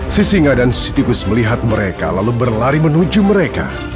sisinga dan si tikus melihat mereka lalu berlari menuju mereka